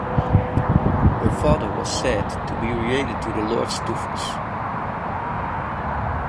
Her father was said to be related to the Lords Duffus.